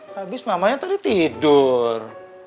habis mamanya tadi tidur